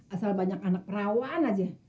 asal banyak anak rawan aja